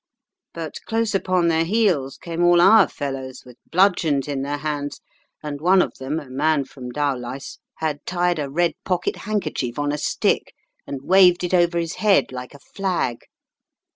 But close upon their heels came all our fellows, with bludgeons in their hands, and one of them, a man from Dowlais, had tied a red pocket handkerchief on a stick and waved it over his head like a flag.